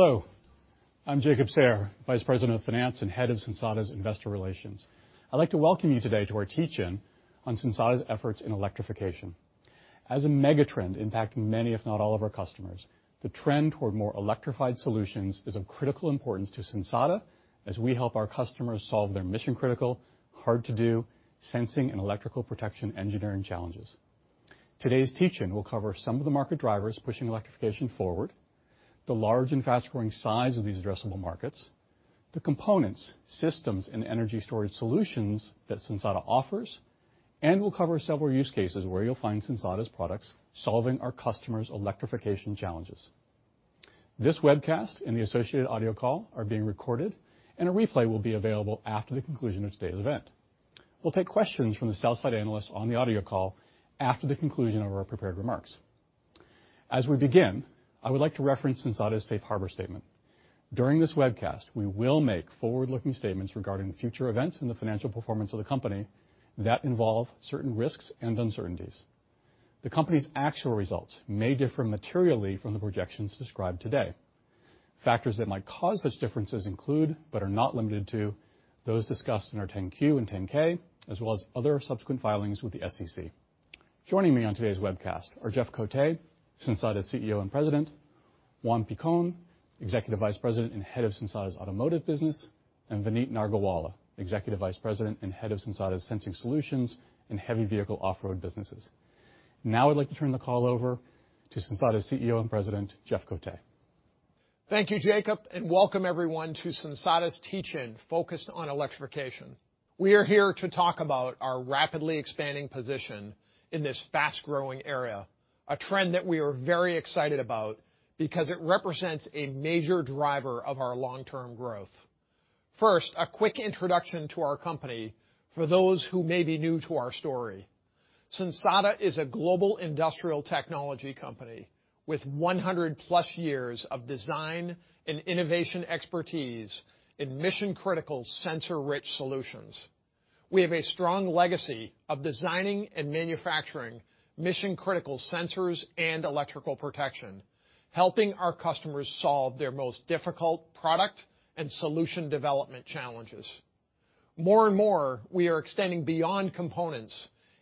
Hello. I'm Jacob Sayer, Vice President of Finance and Head of Sensata's Investor Relations. I'd like to welcome you today to our teach-in on Sensata's efforts in electrification. As a megatrend impacting many, if not all of our customers, the trend toward more electrified solutions is of critical importance to Sensata as we help our customers solve their mission-critical, hard to do, sensing and electrical protection engineering challenges. Today's teach-in will cover some of the market drivers pushing electrification forward, the large and fast-growing size of these addressable markets, the components, systems, and energy storage solutions that Sensata offers, and we'll cover several use cases where you'll find Sensata's products solving our customers' electrification challenges. This webcast and the associated audio call are being recorded, and a replay will be available after the conclusion of today's event. We'll take questions from the sell-side analysts on the audio call after the conclusion of our prepared remarks. As we begin, I would like to reference Sensata's safe harbor statement. During this webcast, we will make forward-looking statements regarding the future events and the financial performance of the company that involve certain risks and uncertainties. The company's actual results may differ materially from the projections described today. Factors that might cause such differences include, but are not limited to, those discussed in our Form 10-Q and Form 10-K, as well as other subsequent filings with the SEC. Joining me on today's webcast are Jeffrey Cote, Sensata's CEO and President, Juan Picon, Executive Vice President and Head of Sensata's Automotive Business, and Vineet Nargolwala, Executive Vice President and Head of Sensing Solutions and Heavy Vehicle Off-Road businesses. Now I'd like to turn the call over to Sensata's CEO and President, Jeffrey Cote. Thank you, Jacob, and welcome everyone to Sensata's teach-in focused on electrification. We are here to talk about our rapidly expanding position in this fast-growing area, a trend that we are very excited about because it represents a major driver of our long-term growth. First, a quick introduction to our company for those who may be new to our story. Sensata is a global industrial technology company with 100+ years of design and innovation expertise in mission-critical sensor-rich solutions. We have a strong legacy of designing and manufacturing mission-critical sensors and electrical protection, helping our customers solve their most difficult product and solution development challenges. More and more, we are extending beyond components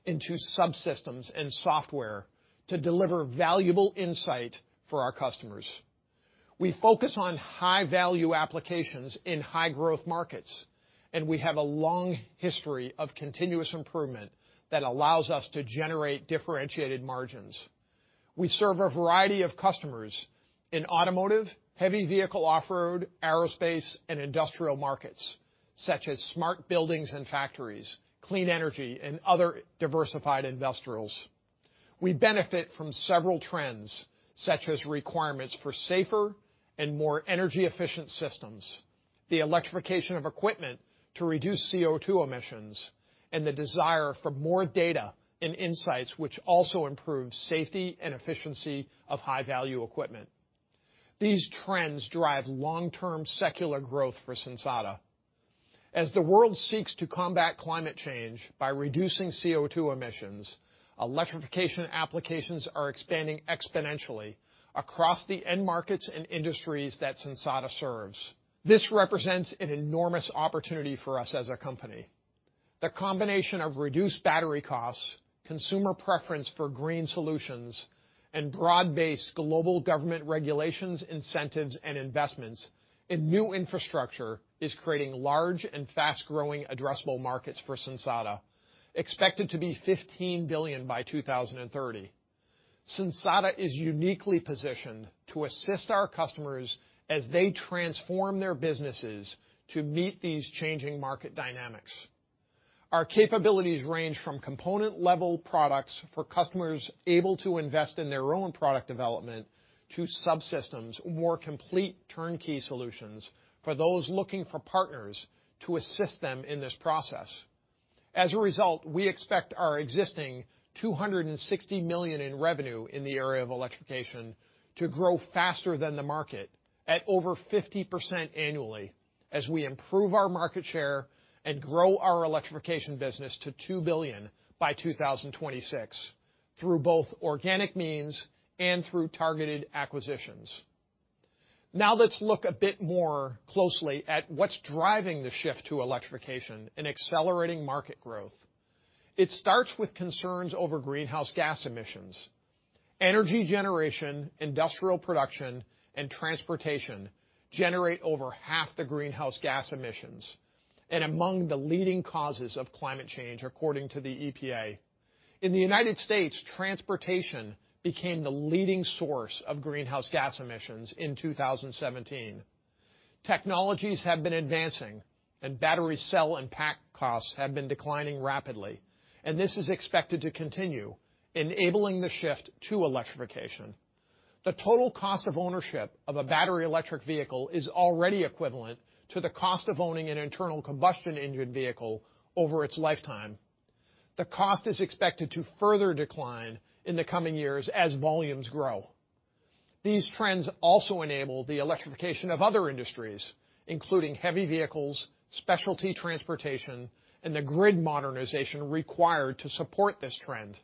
into subsystems and software to deliver valuable insight for our customers. We focus on high-value applications in high-growth markets, and we have a long history of continuous improvement that allows us to generate differentiated margins. We serve a variety of customers in automotive, heavy vehicle off-road, aerospace, and industrial markets such as smart buildings and factories, clean energy, and other diversified industrials. We benefit from several trends, such as requirements for safer and more energy-efficient systems, the electrification of equipment to reduce CO2 emissions, and the desire for more data and insights which also improve safety and efficiency of high-value equipment. These trends drive long-term secular growth for Sensata. As the world seeks to combat climate change by reducing CO2 emissions, electrification applications are expanding exponentially across the end markets and industries that Sensata serves. This represents an enormous opportunity for us as a company. The combination of reduced battery costs, consumer preference for green solutions, and broad-based global government regulations, incentives, and investments in new infrastructure is creating large and fast-growing addressable markets for Sensata, expected to be $15 billion by 2030. Sensata is uniquely positioned to assist our customers as they transform their businesses to meet these changing market dynamics. Our capabilities range from component-level products for customers able to invest in their own product development to subsystems, more complete turnkey solutions for those looking for partners to assist them in this process. As a result, we expect our existing $260 million in revenue in the area of electrification to grow faster than the market at over 50% annually as we improve our market share and grow our electrification business to $2 billion by 2026 through both organic means and through targeted acquisitions. Now let's look a bit more closely at what's driving the shift to electrification and accelerating market growth. It starts with concerns over greenhouse gas emissions. Energy generation, industrial production, and transportation generate over half the greenhouse gas emissions, and among the leading causes of climate change, according to the EPA. In the United States, transportation became the leading source of greenhouse gas emissions in 2017. Technologies have been advancing and battery cell and pack costs have been declining rapidly, and this is expected to continue enabling the shift to electrification. The total cost of ownership of a battery electric vehicle is already equivalent to the cost of owning an internal combustion engine vehicle over its lifetime. The cost is expected to further decline in the coming years as volumes grow. These trends also enable the electrification of other industries, including heavy vehicles, specialty transportation, and the grid modernization required to support this trend.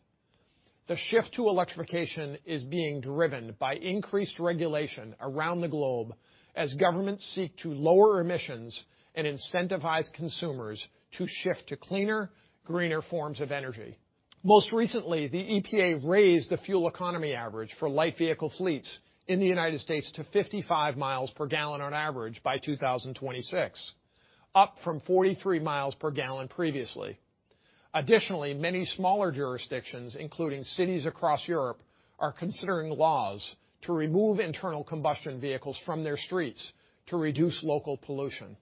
The shift to electrification is being driven by increased regulation around the globe as governments seek to lower emissions and incentivize consumers to shift to cleaner, greener forms of energy. Most recently, the EPA raised the fuel economy average for light vehicle fleets in the United States to 55 miles per gallon on average by 2026, up from 40 miles per gallon previously. Additionally, many smaller jurisdictions, including cities across Europe, are considering laws to remove internal combustion vehicles from their streets to reduce local pollution.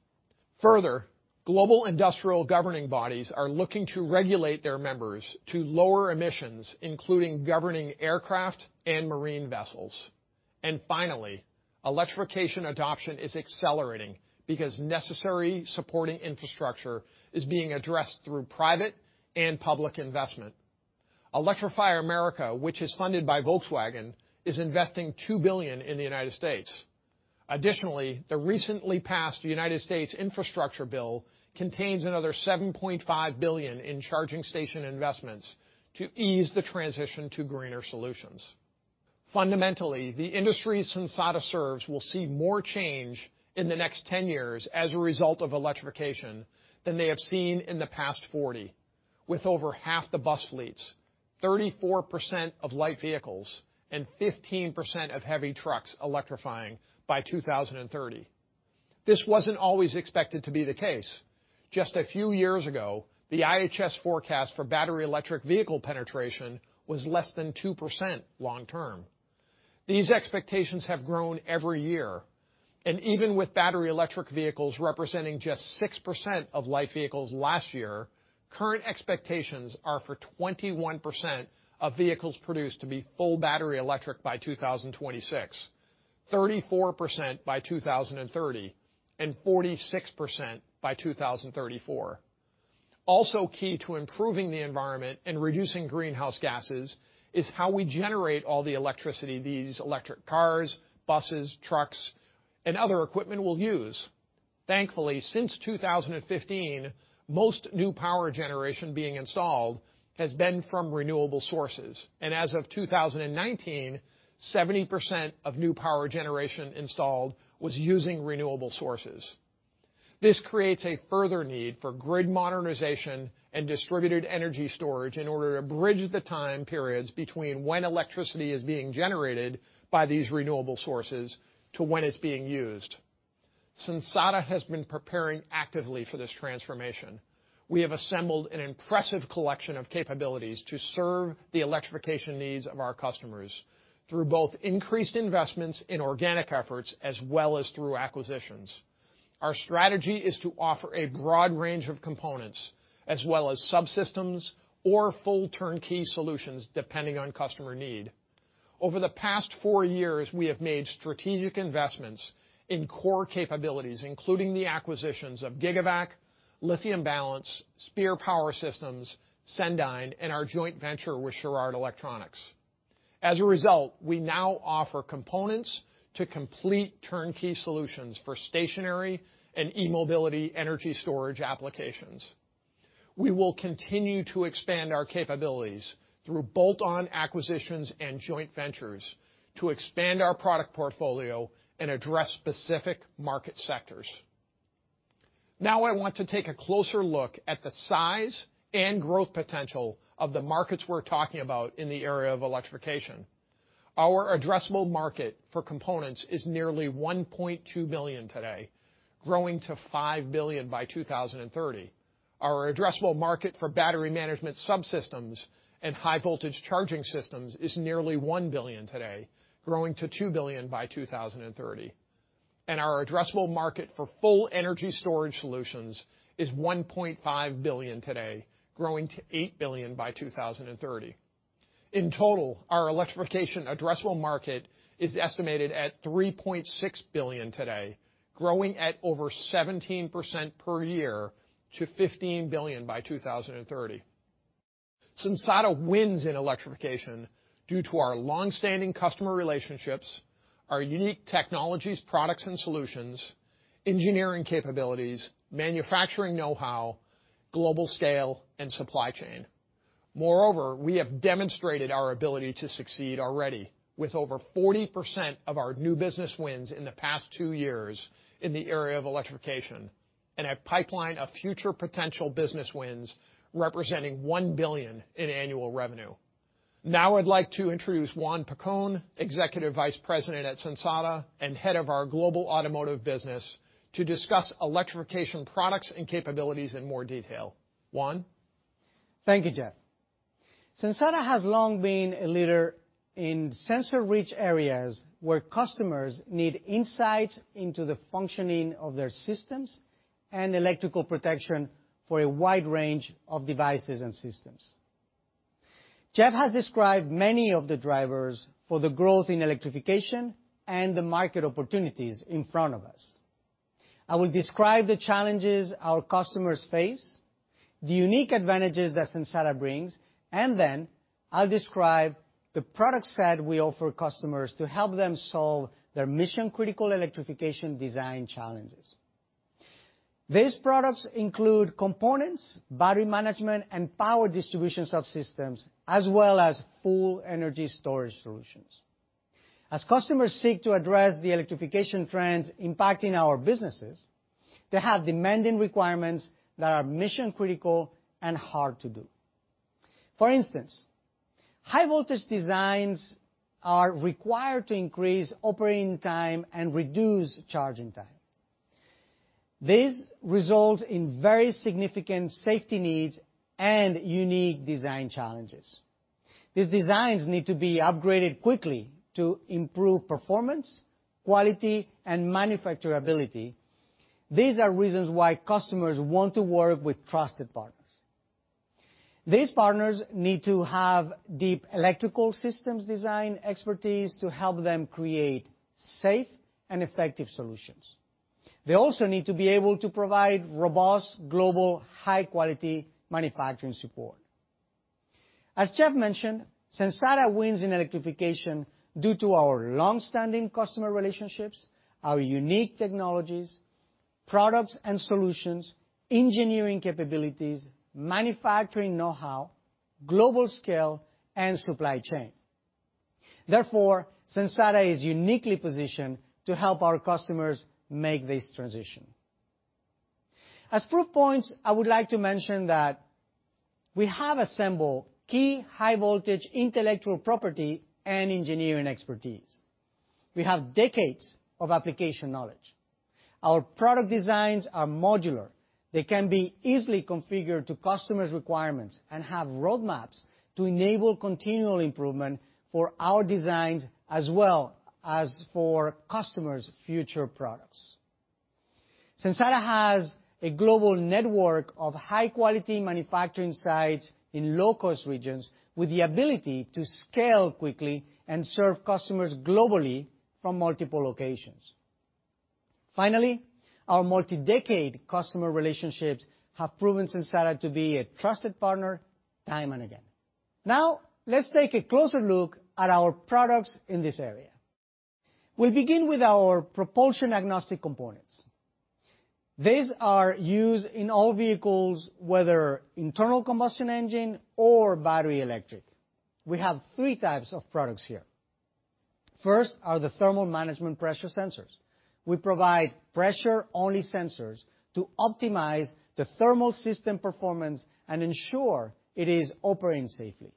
Further, global industrial governing bodies are looking to regulate their members to lower emissions, including governing aircraft and marine vessels. Finally, electrification adoption is accelerating because necessary supporting infrastructure is being addressed through private and public investment. Electrify America, which is funded by Volkswagen, is investing $2 billion in the United States. Additionally, the recently passed United States infrastructure bill contains another $7.5 billion in charging station investments to ease the transition to greener solutions. Fundamentally, the industries Sensata serves will see more change in the next 10 years as a result of electrification than they have seen in the past 40, with over half the bus fleets, 34% of light vehicles, and 15% of heavy trucks electrifying by 2030. This wasn't always expected to be the case. Just a few years ago, the IHS forecast for battery electric vehicle penetration was less than 2% long term. These expectations have grown every year, and even with battery electric vehicles representing just 6% of light vehicles last year, current expectations are for 21% of vehicles produced to be full battery electric by 2026, 34% by 2030, and 46% by 2034. Also key to improving the environment and reducing greenhouse gases is how we generate all the electricity these electric cars, buses, trucks, and other equipment will use. Thankfully, since 2015, most new power generation being installed has been from renewable sources. As of 2019, 70% of new power generation installed was using renewable sources. This creates a further need for grid modernization and distributed energy storage in order to bridge the time periods between when electricity is being generated by these renewable sources to when it's being used. Sensata has been preparing actively for this transformation. We have assembled an impressive collection of capabilities to serve the electrification needs of our customers through both increased investments in organic efforts as well as through acquisitions. Our strategy is to offer a broad range of components as well as subsystems or full turnkey solutions, depending on customer need. Over the past four years, we have made strategic investments in core capabilities, including the acquisitions of GIGAVAC, Lithium Balance, Spear Power Systems, Sendyne, and our joint venture with Churod Electronics. As a result, we now offer components to complete turnkey solutions for stationary and e-mobility energy storage applications. We will continue to expand our capabilities through bolt-on acquisitions and joint ventures to expand our product portfolio and address specific market sectors. Now I want to take a closer look at the size and growth potential of the markets we're talking about in the area of electrification. Our addressable market for components is nearly $1.2 billion today, growing to $5 billion by 2030. Our addressable market for battery management subsystems and high voltage charging systems is nearly $1 billion today, growing to $2 billion by 2030. Our addressable market for full energy storage solutions is $1.5 billion today, growing to $8 billion by 2030. In total, our electrification addressable market is estimated at $3.6 billion today, growing at over 17% per year to $15 billion by 2030. Sensata wins in electrification due to our long-standing customer relationships, our unique technologies, products, and solutions, engineering capabilities, manufacturing know-how, global scale, and supply chain. Moreover, we have demonstrated our ability to succeed already with over 40% of our new business wins in the past two years in the area of electrification and a pipeline of future potential business wins representing $1 billion in annual revenue. Now I'd like to introduce Juan Picon, Executive Vice President at Sensata and Head of our Global Automotive Business, to discuss electrification products and capabilities in more detail. Juan? Thank you, Jeff. Sensata has long been a leader in sensor-rich areas where customers need insights into the functioning of their systems and electrical protection for a wide range of devices and systems. Jeff has described many of the drivers for the growth in electrification and the market opportunities in front of us. I will describe the challenges our customers face, the unique advantages that Sensata brings, and then I'll describe the product set we offer customers to help them solve their mission-critical electrification design challenges. These products include components, battery management, and power distribution subsystems, as well as full energy storage solutions. As customers seek to address the electrification trends impacting our businesses, they have demanding requirements that are mission-critical and hard to do. For instance, high voltage designs are required to increase operating time and reduce charging time. This results in very significant safety needs and unique design challenges. These designs need to be upgraded quickly to improve performance, quality, and manufacturability. These are reasons why customers want to work with trusted partners. These partners need to have deep electrical systems design expertise to help them create safe and effective solutions. They also need to be able to provide robust global high quality manufacturing support. As Jeff mentioned, Sensata wins in electrification due to our long-standing customer relationships, our unique technologies, products and solutions, engineering capabilities, manufacturing know-how, global scale, and supply chain. Therefore, Sensata is uniquely positioned to help our customers make this transition. As proof points, I would like to mention that we have assembled key high voltage intellectual property and engineering expertise. We have decades of application knowledge. Our product designs are modular. They can be easily configured to customers' requirements and have roadmaps to enable continual improvement for our designs as well as for customers' future products. Sensata has a global network of high-quality manufacturing sites in low-cost regions with the ability to scale quickly and serve customers globally from multiple locations. Finally, our multi-decade customer relationships have proven Sensata to be a trusted partner time and again. Now, let's take a closer look at our products in this area. We begin with our propulsion agnostic components. These are used in all vehicles, whether internal combustion engine or battery electric. We have three types of products here. First are the thermal management pressure sensors. We provide pressure-only sensors to optimize the thermal system performance and ensure it is operating safely.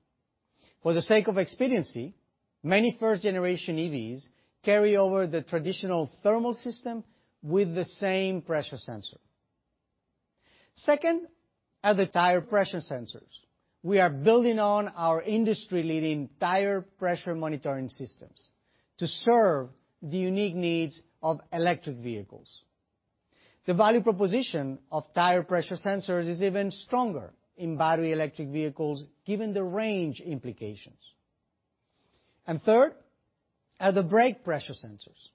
For the sake of expediency, many first generation EVs carry over the traditional thermal system with the same pressure sensor. Second are the tire pressure sensors. We are building on our industry-leading tire pressure monitoring systems to serve the unique needs of electric vehicles. The value proposition of tire pressure sensors is even stronger in battery electric vehicles given the range implications. Third are the brake pressure sensors.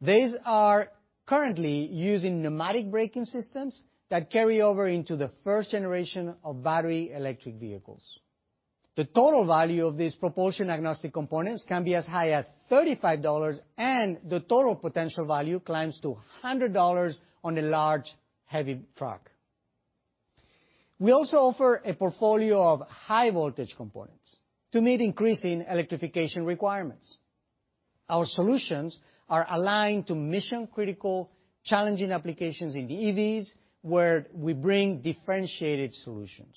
These are currently using pneumatic braking systems that carry over into the first generation of battery electric vehicles. The total value of these propulsion agnostic components can be as high as $35, and the total potential value climbs to $100 on a large, heavy truck. We also offer a portfolio of high voltage components to meet increasing electrification requirements. Our solutions are aligned to mission-critical challenging applications in the EVs, where we bring differentiated solutions.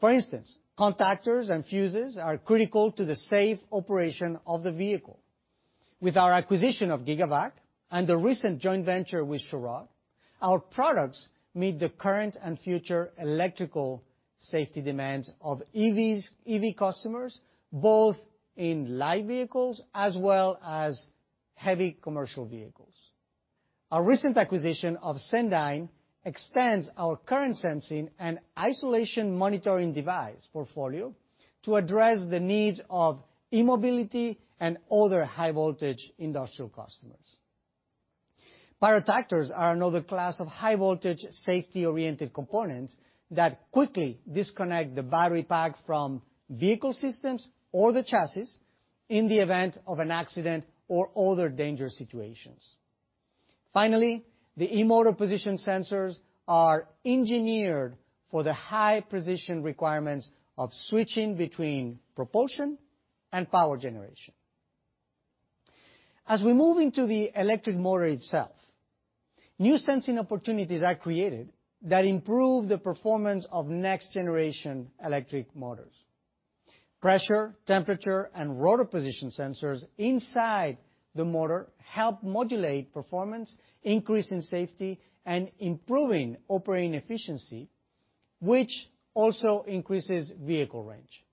For instance, contactors and fuses are critical to the safe operation of the vehicle. With our acquisition of GIGAVAC and the recent joint venture with Churod, our products meet the current and future electrical safety demands of EVs, EV customers, both in light vehicles as well as heavy commercial vehicles. Our recent acquisition of Sendyne extends our current sensing and isolation monitoring device portfolio to address the needs of e-mobility and other high voltage industrial customers. PyroTactor are another class of high voltage safety-oriented components that quickly disconnect the battery pack from vehicle systems or the chassis in the event of an accident or other dangerous situations. Finally, the e-motor position sensors are engineered for the high precision requirements of switching between propulsion and power generation. As we move into the electric motor itself, new sensing opportunities are created that improve the performance of next generation electric motors. Pressure, temperature, and rotor position sensors inside the motor help modulate performance, increasing safety, and improving operating efficiency, which also increases vehicle range.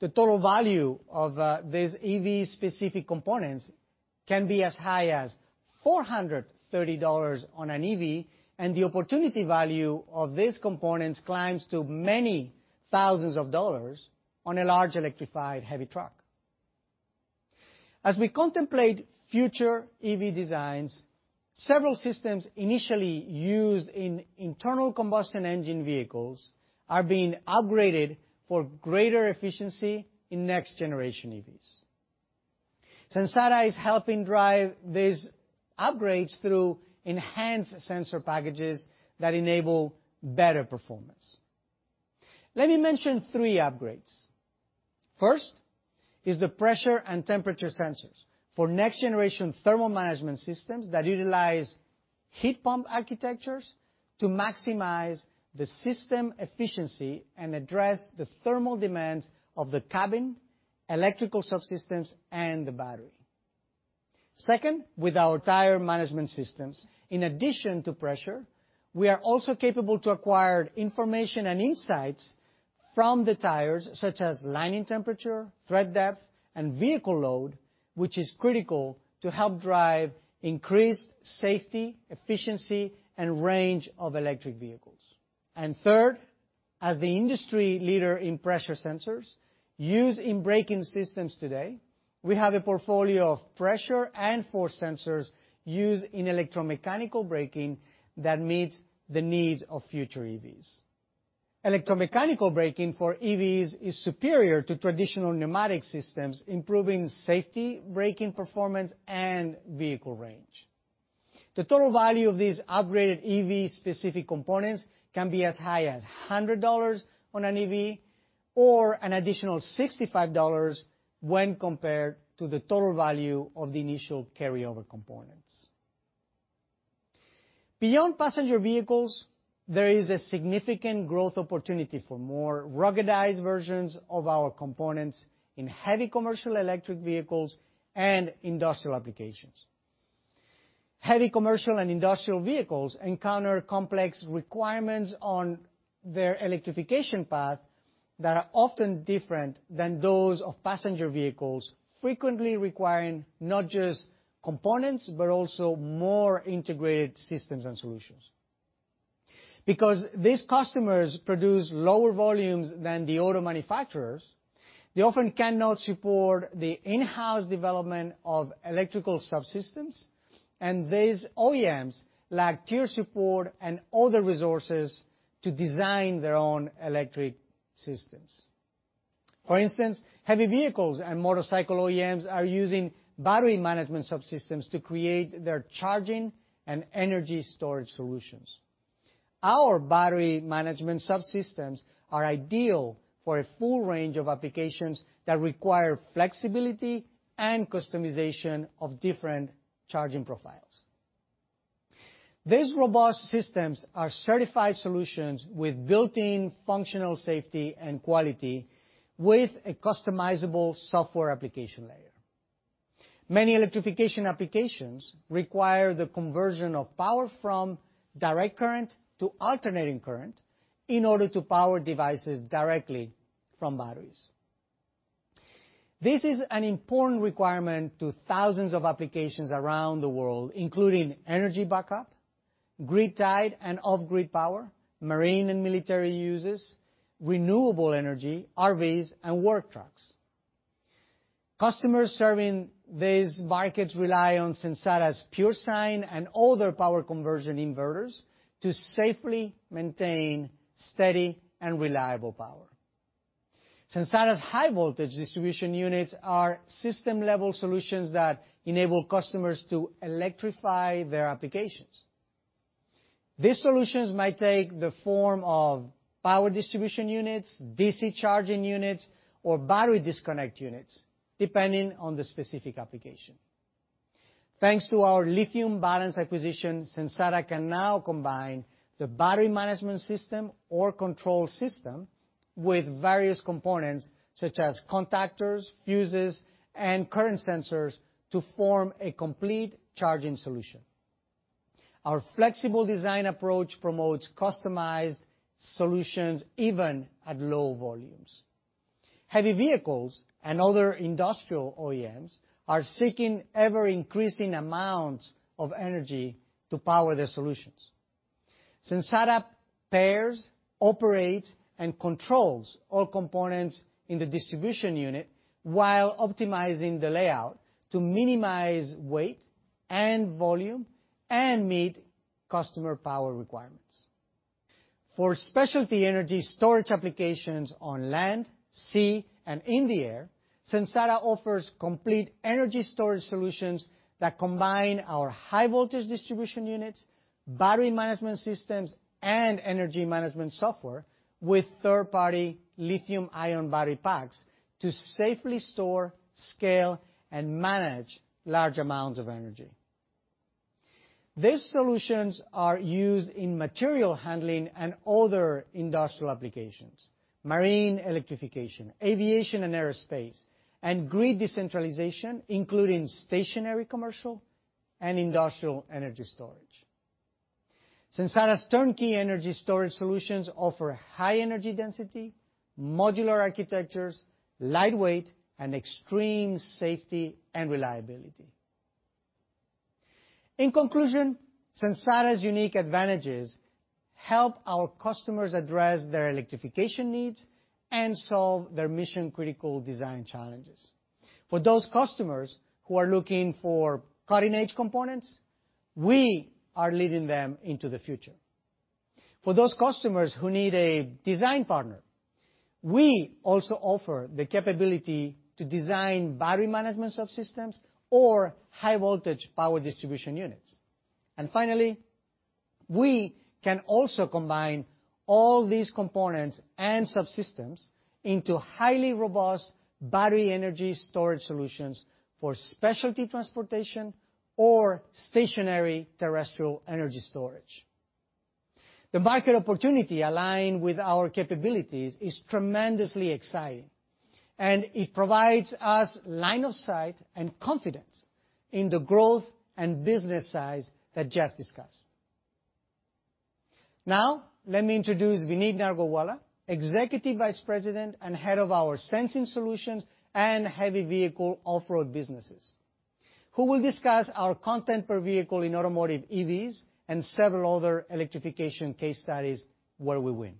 The total value of these EV specific components can be as high as $430 on an EV, and the opportunity value of these components climbs to many thousands of dollars on a large electrified heavy truck. As we contemplate future EV designs, several systems initially used in internal combustion engine vehicles are being upgraded for greater efficiency in next generation EVs. Sensata is helping drive these upgrades through enhanced sensor packages that enable better performance. Let me mention three upgrades. First is the pressure and temperature sensors for next-generation thermal management systems that utilize heat pump architectures to maximize the system efficiency and address the thermal demands of the cabin, electrical subsystems, and the battery. Second, with our tire management systems, in addition to pressure, we are also capable to acquire information and insights from the tires, such as tire temperature, tread depth, and vehicle load, which is critical to help drive increased safety, efficiency, and range of electric vehicles. Third, as the industry leader in pressure sensors used in braking systems today, we have a portfolio of pressure and force sensors used in electromechanical braking that meet the needs of future EVs. Electromechanical braking for EVs is superior to traditional pneumatic systems, improving safety, braking performance, and vehicle range. The total value of these upgraded EV-specific components can be as high as $100 on an EV or an additional $65 when compared to the total value of the initial carryover components. Beyond passenger vehicles, there is a significant growth opportunity for more ruggedized versions of our components in heavy commercial electric vehicles and industrial applications. Heavy commercial and industrial vehicles encounter complex requirements on their electrification path that are often different than those of passenger vehicles, frequently requiring not just components, but also more integrated systems and solutions. Because these customers produce lower volumes than the auto manufacturers, they often cannot support the in-house development of electrical subsystems, and these OEMs lack tier support and other resources to design their own electric systems. For instance, heavy vehicles and motorcycle OEMs are using battery management subsystems to create their charging and energy storage solutions. Our battery management subsystems are ideal for a full range of applications that require flexibility and customization of different charging profiles. These robust systems are certified solutions with built-in functional safety and quality with a customizable software application layer. Many electrification applications require the conversion of power from direct current to alternating current in order to power devices directly from batteries. This is an important requirement to thousands of applications around the world, including energy backup, grid-tied and off-grid power, marine and military uses, renewable energy, RVs, and work trucks. Customers serving these markets rely on Sensata's Pure Sine and other power conversion inverters to safely maintain steady and reliable power. Sensata's high-voltage distribution units are system-level solutions that enable customers to electrify their applications. These solutions might take the form of power distribution units, DC charging units, or battery disconnect units, depending on the specific application. Thanks to our Lithium Balance acquisition, Sensata can now combine the battery management system or control system with various components such as contactors, fuses, and current sensors to form a complete charging solution. Our flexible design approach promotes customized solutions even at low volumes. Heavy vehicles and other industrial OEMs are seeking ever-increasing amounts of energy to power their solutions. Sensata pairs, operates, and controls all components in the distribution unit while optimizing the layout to minimize weight and volume and meet customer power requirements. For specialty energy storage applications on land, sea, and in the air, Sensata offers complete energy storage solutions that combine our high voltage distribution units, battery management systems, and energy management software with third-party lithium-ion battery packs to safely store, scale, and manage large amounts of energy. These solutions are used in material handling and other industrial applications, marine electrification, aviation and aerospace, and grid decentralization, including stationary commercial and industrial energy storage. Sensata's turnkey energy storage solutions offer high energy density, modular architectures, lightweight, and extreme safety and reliability. In conclusion, Sensata's unique advantages help our customers address their electrification needs and solve their mission-critical design challenges. For those customers who are looking for cutting-edge components, we are leading them into the future. For those customers who need a design partner, we also offer the capability to design battery management subsystems or high voltage power distribution units. Finally, we can also combine all these components and subsystems into highly robust battery energy storage solutions for specialty transportation or stationary terrestrial energy storage. The market opportunity aligned with our capabilities is tremendously exciting, and it provides us line of sight and confidence in the growth and business size that Jeff discussed. Now, let me introduce Vineet Nargolwala, Executive Vice President and Head of our Sensing Solutions and Heavy Vehicle Off-Road businesses, who will discuss our content per vehicle in automotive EVs and several other electrification case studies where we win.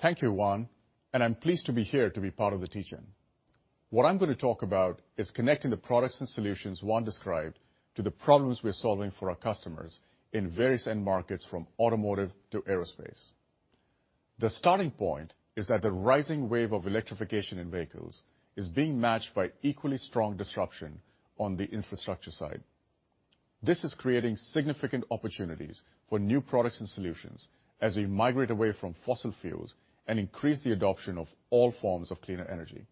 Thank you, Juan, and I'm pleased to be here to be part of the teach-in. What I'm gonna talk about is connecting the products and solutions Juan described to the problems we're solving for our customers in various end markets from automotive to aerospace. The starting point is that the rising wave of electrification in vehicles is being matched by equally strong disruption on the infrastructure side. This is creating significant opportunities for new products and solutions as we migrate away from fossil fuels and increase the adoption of all forms of cleaner energy.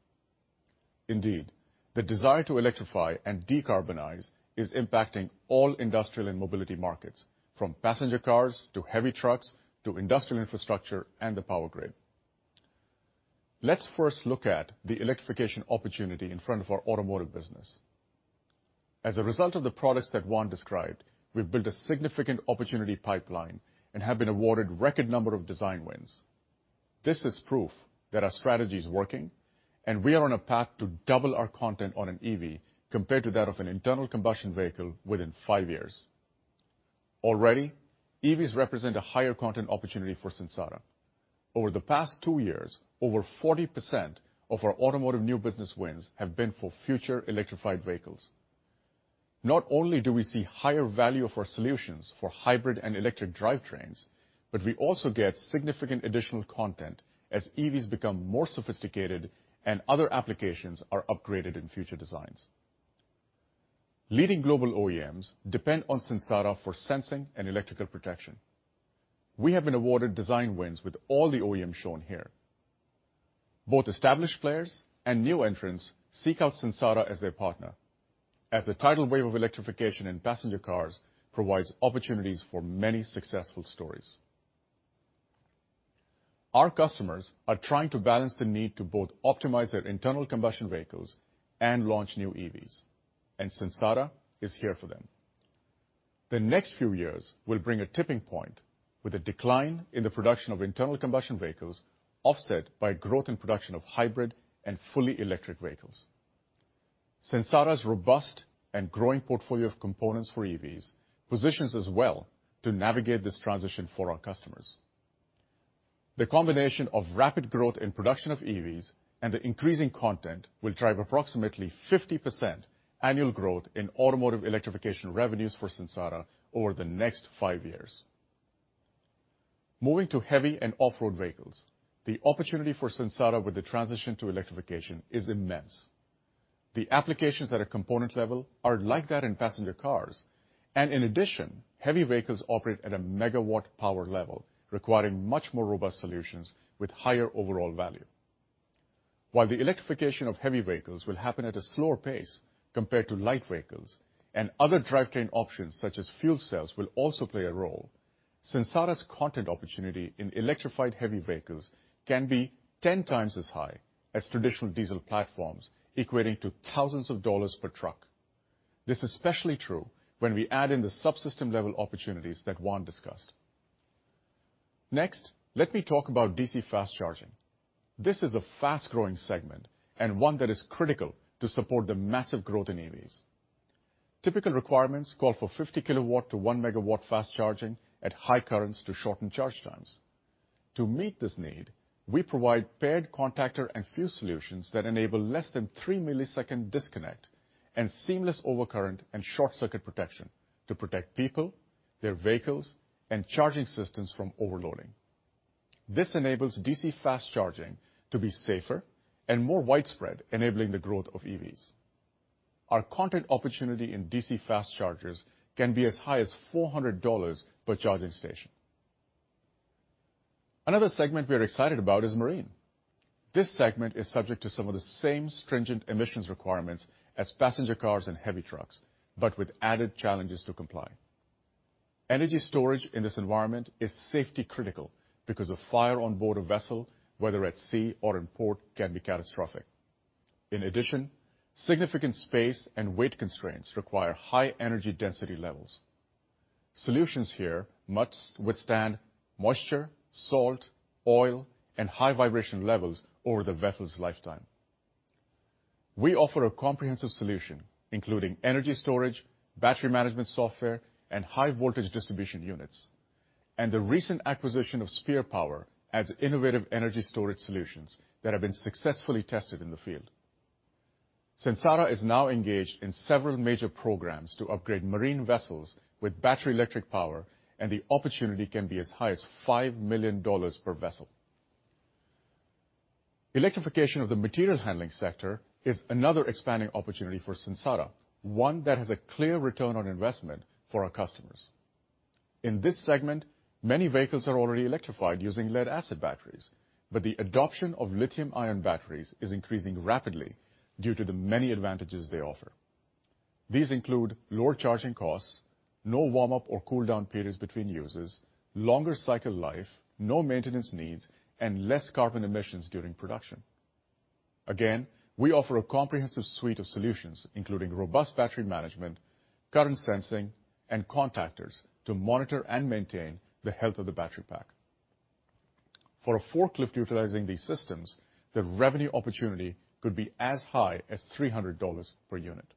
Indeed, the desire to electrify and decarbonize is impacting all industrial and mobility markets, from passenger cars to heavy trucks to industrial infrastructure and the power grid. Let's first look at the electrification opportunity in front of our automotive business. As a result of the products that Juan described, we've built a significant opportunity pipeline and have been awarded record number of design wins. This is proof that our strategy is working, and we are on a path to double our content on an EV compared to that of an internal combustion vehicle within five years. Already, EVs represent a higher content opportunity for Sensata. Over the past two years, over 40% of our automotive new business wins have been for future electrified vehicles. Not only do we see higher value for solutions for hybrid and electric drivetrains, but we also get significant additional content as EVs become more sophisticated and other applications are upgraded in future designs. Leading global OEMs depend on Sensata for sensing and electrical protection. We have been awarded design wins with all the OEMs shown here. Both established players and new entrants seek out Sensata as their partner, as the tidal wave of electrification in passenger cars provides opportunities for many successful stories. Our customers are trying to balance the need to both optimize their internal combustion vehicles and launch new EVs, and Sensata is here for them. The next few years will bring a tipping point with a decline in the production of internal combustion vehicles offset by growth in production of hybrid and fully electric vehicles. Sensata's robust and growing portfolio of components for EVs positions us well to navigate this transition for our customers. The combination of rapid growth in production of EVs and the increasing content will drive approximately 50% annual growth in automotive electrification revenues for Sensata over the next five years. Moving to heavy and off-road vehicles, the opportunity for Sensata with the transition to electrification is immense. The applications at a component level are like that in passenger cars, and in addition, heavy vehicles operate at a megawatt power level, requiring much more robust solutions with higher overall value. While the electrification of heavy vehicles will happen at a slower pace compared to light vehicles, and other drivetrain options such as fuel cells will also play a role, Sensata's content opportunity in electrified heavy vehicles can be 10 times as high as traditional diesel platforms, equating to thousands of dollars per truck. This is especially true when we add in the subsystem-level opportunities that Juan discussed. Next, let me talk about DC fast charging. This is a fast-growing segment and one that is critical to support the massive growth in EVs. Typical requirements call for 50 kW-1 MW fast charging at high currents to shorten charge times. To meet this need, we provide paired contactor and fuse solutions that enable less than 3-millisecond disconnect and seamless overcurrent and short circuit protection to protect people, their vehicles, and charging systems from overloading. This enables DC fast charging to be safer and more widespread, enabling the growth of EVs. Our containment opportunity in DC fast chargers can be as high as $400 per charging station. Another segment we are excited about is marine. This segment is subject to some of the same stringent emissions requirements as passenger cars and heavy trucks, but with added challenges to comply. Energy storage in this environment is safety critical because a fire on board a vessel, whether at sea or in port, can be catastrophic. In addition, significant space and weight constraints require high energy density levels. Solutions here must withstand moisture, salt, oil, and high vibration levels over the vessel's lifetime. We offer a comprehensive solution, including energy storage, battery management software, and high voltage distribution units. The recent acquisition of Spear Power Systems adds innovative energy storage solutions that have been successfully tested in the field. Sensata is now engaged in several major programs to upgrade marine vessels with battery electric power, and the opportunity can be as high as $5 million per vessel. Electrification of the material handling sector is another expanding opportunity for Sensata, one that has a clear return on investment for our customers. In this segment, many vehicles are already electrified using lead-acid batteries, but the adoption of lithium-ion batteries is increasing rapidly due to the many advantages they offer. These include lower charging costs, no warm-up or cool down periods between uses, longer cycle life, no maintenance needs, and less carbon emissions during production. Again, we offer a comprehensive suite of solutions, including robust battery management, current sensing, and contactors to monitor and maintain the health of the battery pack. For a forklift utilizing these systems, the revenue opportunity could be as high as $300 per unit.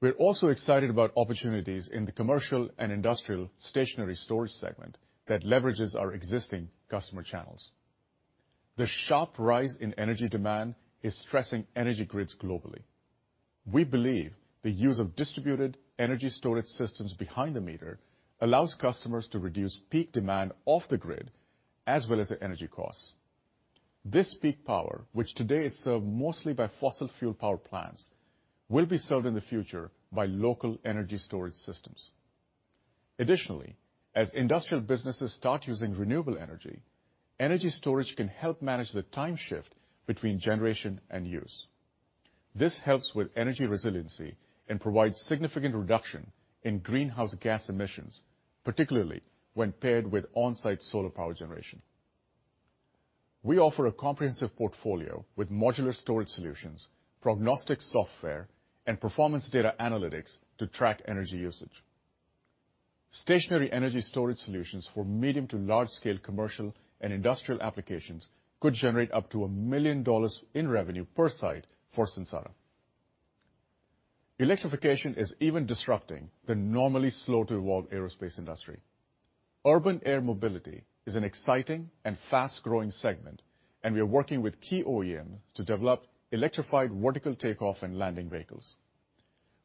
We're also excited about opportunities in the commercial and industrial stationary storage segment that leverages our existing customer channels. The sharp rise in energy demand is stressing energy grids globally. We believe the use of distributed energy storage systems behind the meter allows customers to reduce peak demand off the grid as well as the energy costs. This peak power, which today is served mostly by fossil fuel power plants, will be served in the future by local energy storage systems. Additionally, as industrial businesses start using renewable energy storage can help manage the time shift between generation and use. This helps with energy resiliency and provides significant reduction in greenhouse gas emissions, particularly when paired with on-site solar power generation. We offer a comprehensive portfolio with modular storage solutions, prognostic software, and performance data analytics to track energy usage. Stationary energy storage solutions for medium to large scale commercial and industrial applications could generate up to $1 million in revenue per site for Sensata. Electrification is even disrupting the normally slow-to-evolve aerospace industry. Urban air mobility is an exciting and fast-growing segment, and we are working with key OEMs to develop electrified vertical takeoff and landing vehicles.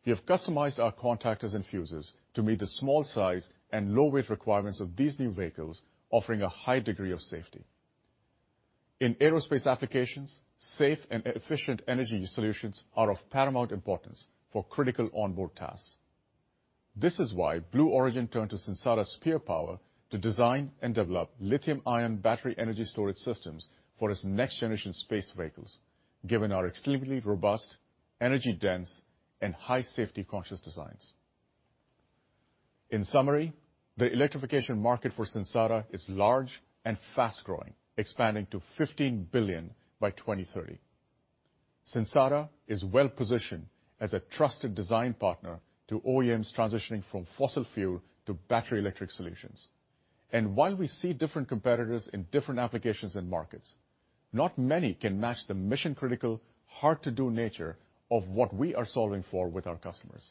We have customized our contactors and fuses to meet the small size and low weight requirements of these new vehicles, offering a high degree of safety. In aerospace applications, safe and efficient energy solutions are of paramount importance for critical onboard tasks. This is why Blue Origin turned to Spear Power Systems to design and develop lithium-ion battery energy storage systems for its next generation space vehicles, given our extremely robust, energy-dense, and high safety conscious designs. In summary, the electrification market for Sensata is large and fast growing, expanding to $15 billion by 2030. Sensata is well positioned as a trusted design partner to OEMs transitioning from fossil fuel to battery electric solutions. While we see different competitors in different applications and markets, not many can match the mission-critical, hard-to-do nature of what we are solving for with our customers.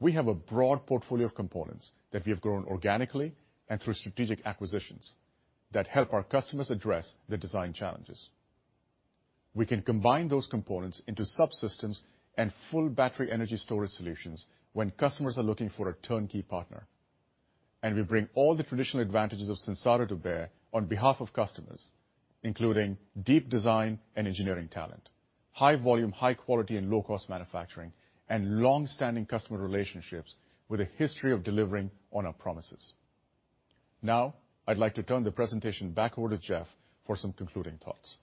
We have a broad portfolio of components that we have grown organically and through strategic acquisitions that help our customers address the design challenges. We can combine those components into subsystems and full battery energy storage solutions when customers are looking for a turnkey partner. We bring all the traditional advantages of Sensata to bear on behalf of customers, including deep design and engineering talent, high volume, high quality and low cost manufacturing, and long-standing customer relationships with a history of delivering on our promises. Now, I'd like to turn the presentation back over to Jeff for some concluding thoughts.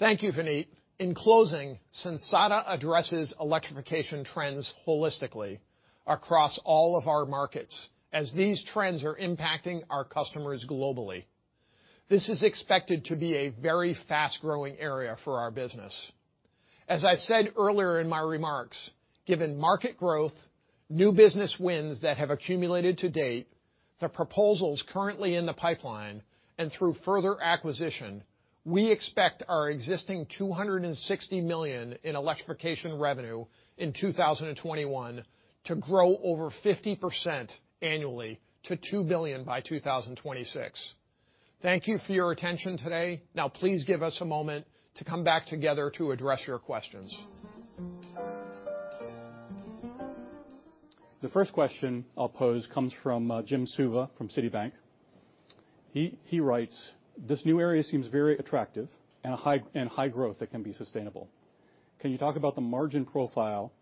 Thank you, Vineet. In closing, Sensata addresses electrification trends holistically across all of our markets as these trends are impacting our customers globally. This is expected to be a very fast-growing area for our business. As I said earlier in my remarks, given market growth, new business wins that have accumulated to date, the proposals currently in the pipeline, and through further acquisition, we expect our existing $260 million in electrification revenue in 2021 to grow over 50% annually to $2 billion by 2026. Thank you for your attention today. Now please give us a moment to come back together to address your questions. The first question I'll pose comes from Jim Suva from Citibank. He writes, "This new area seems very attractive and high growth that can be sustainable. Can you talk about the margin profile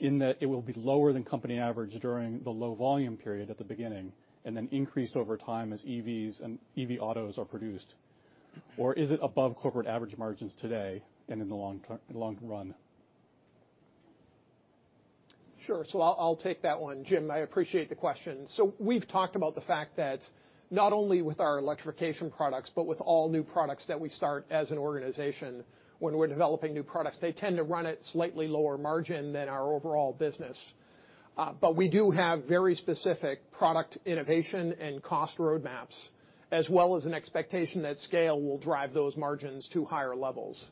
in that it will be lower than company average during the low volume period at the beginning, and then increase over time as EVs and EV autos are produced? Or is it above corporate average margins today and in the long run? Sure. I'll take that one. Jim, I appreciate the question. We've talked about the fact that not only with our electrification products, but with all new products that we start as an organization when we're developing new products, they tend to run at slightly lower margin than our overall business. But we do have very specific product innovation and cost roadmaps, as well as an expectation that scale will drive those margins to higher levels.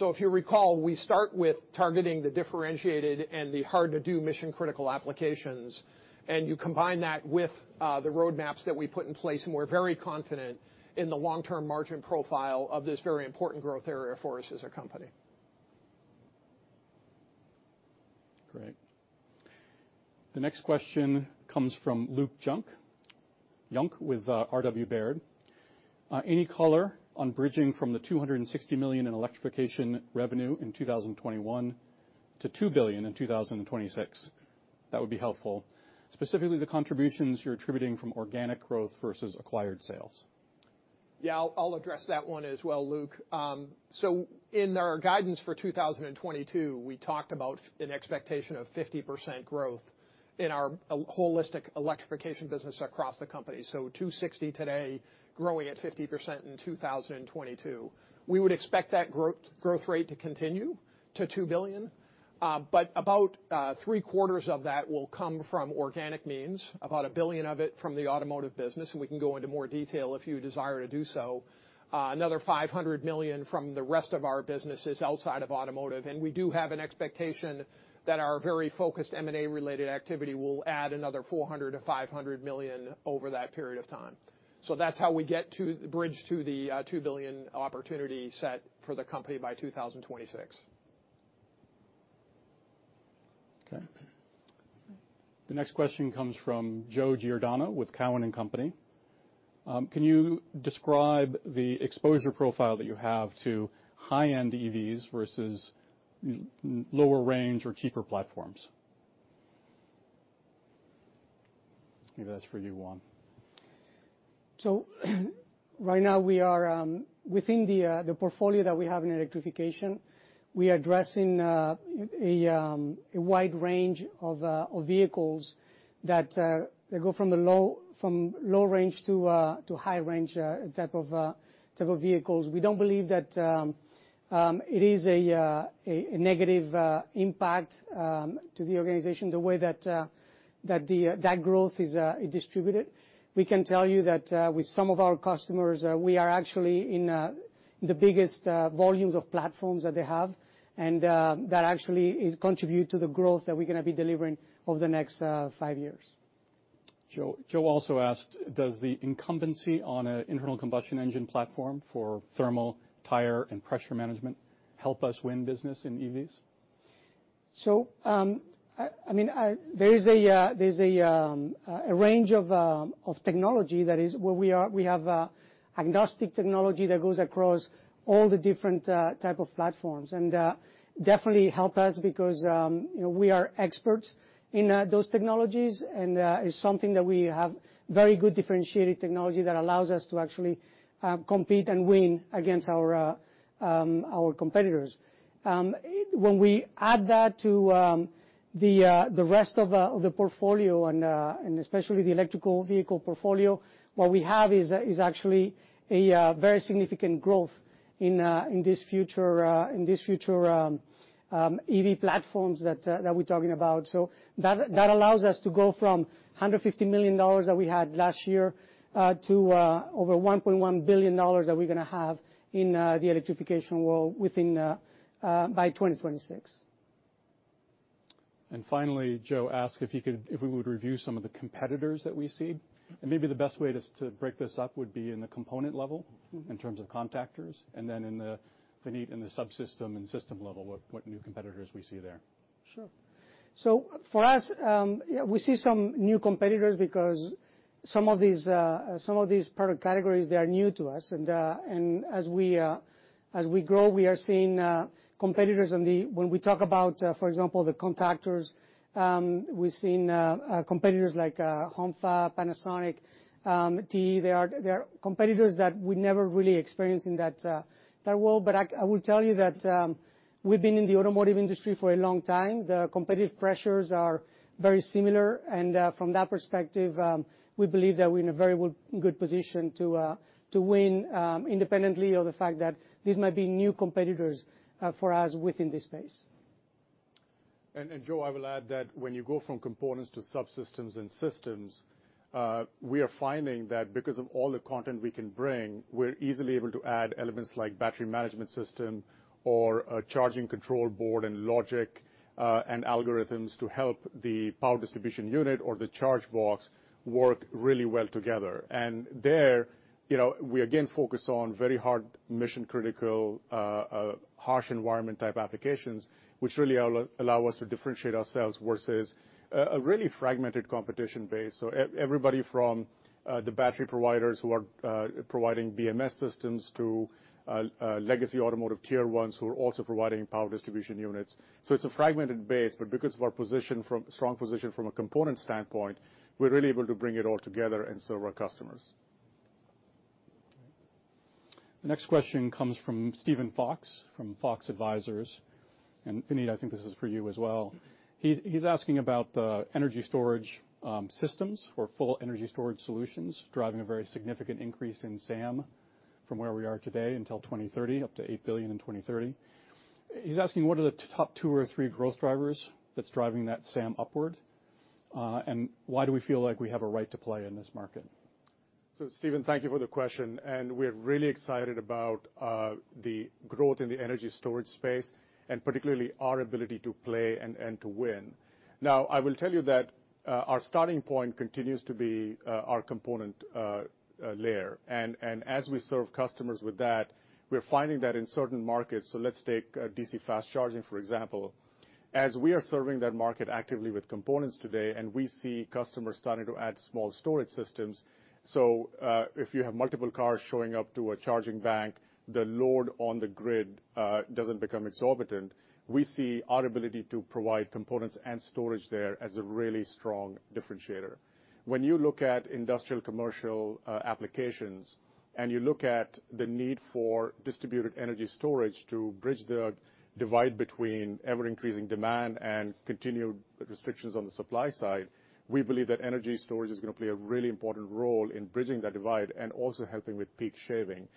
If you recall, we start with targeting the differentiated and the hard-to-do mission-critical applications, and you combine that with the roadmaps that we put in place, and we're very confident in the long-term margin profile of this very important growth area for us as a company. Great. The next question comes from Luke Junk with Robert W. Baird. Any color on bridging from the $260 million in electrification revenue in 2021 to $2 billion in 2026? That would be helpful. Specifically, the contributions you're attributing from organic growth versus acquired sales. Yeah, I'll address that one as well, Luke. In our guidance for 2022, we talked about an expectation of 50% growth in our holistic electrification business across the company. $260 million today, growing at 50% in 2022. We would expect that growth rate to continue to $2 billion. About three-quarters of that will come from organic means, about $1 billion of it from the automotive business, and we can go into more detail if you desire to do so. Another $500 million from the rest of our businesses outside of automotive. We do have an expectation that our very focused M&A-related activity will add another $400 million-$500 million over that period of time. That's how we get to the bridge to the $2 billion opportunity set for the company by 2026. The next question comes from Joe Giordano with Cowen and Company. Can you describe the exposure profile that you have to high-end EVs versus lower range or cheaper platforms? Maybe that's for you, Juan. Right now we are within the portfolio that we have in electrification. We are addressing a wide range of vehicles that go from low range to high range type of vehicles. We don't believe that it is a negative impact to the organization, the way that the growth is distributed. We can tell you that with some of our customers we are actually in the biggest volumes of platforms that they have. That actually is contribute to the growth that we're gonna be delivering over the next five years. Joe also asked, "Does the incumbency on an internal combustion engine platform for thermal, tire, and pressure management help us win business in EVs? There is a range of technology that is where we are. We have agnostic technology that goes across all the different type of platforms, and definitely help us because, you know, we are experts in those technologies, and it's something that we have very good differentiated technology that allows us to actually compete and win against our competitors. When we add that to the rest of the portfolio and especially the electric vehicle portfolio, what we have is actually a very significant growth in this future EV platforms that we're talking about. That allows us to go from $150 million that we had last year to over $1.1 billion that we're gonna have in the electrification world within by 2026. Finally, Joe asked if we would review some of the competitors that we see, and maybe the best way to break this up would be in the component level in terms of contactors, and then in the, Vineet, in the subsystem and system level, what new competitors we see there. Sure. For us, we see some new competitors because some of these product categories, they are new to us. As we grow, we are seeing competitors. When we talk about, for example, the contactors, we're seeing competitors like Hongfa, Panasonic, TE. They are competitors that we never really experienced in that world. I will tell you that we've been in the automotive industry for a long time. The competitive pressures are very similar. From that perspective, we believe that we're in a very good position to win, independently of the fact that these might be new competitors for us within this space. Joe, I will add that when you go from components to subsystems and systems, we are finding that because of all the content we can bring, we're easily able to add elements like battery management system or a charging control board and logic, and algorithms to help the power distribution unit or the charge box work really well together. There, you know, we again focus on very hard mission-critical, harsh environment type applications, which really allow us to differentiate ourselves versus a really fragmented competition base. Everybody from the battery providers who are providing BMS systems to legacy automotive tier ones who are also providing power distribution units. It's a fragmented base, but because of our strong position from a component standpoint, we're really able to bring it all together and serve our customers. The next question comes from Steven Fox from Fox Advisors. Vineet, I think this is for you as well. He's asking about the energy storage systems or full energy storage solutions driving a very significant increase in SAM from where we are today until 2030, up to $8 billion in 2030. He's asking what are the top two or three growth drivers that's driving that SAM upward, and why do we feel like we have a right to play in this market? Steven, thank you for the question, and we're really excited about the growth in the energy storage space, and particularly our ability to play and to win. I will tell you that our starting point continues to be our component layer. As we serve customers with that, we're finding that in certain markets, so let's take DC fast charging, for example. As we are serving that market actively with components today, and we see customers starting to add small storage systems, so if you have multiple cars showing up to a charging bank, the load on the grid doesn't become exorbitant. We see our ability to provide components and storage there as a really strong differentiator. When you look at industrial commercial applications, and you look at the need for distributed energy storage to bridge the divide between ever-increasing demand and continued restrictions on the supply side, we believe that energy storage is gonna play a really important role in bridging that divide and also helping with peak shaving.